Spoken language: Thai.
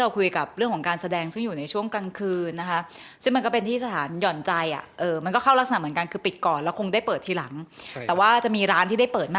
คือความรู้สึกต่อกันคือว่าเดี๋ยวถ้าเปิดร้านเขาค่อยกลับมาใหม่